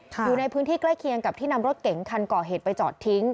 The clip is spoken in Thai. อยู่ในพื้นที่ใกล้เคียงกับที่นำรถเก๋งคันก่อเหตุไปจอดทิ้ง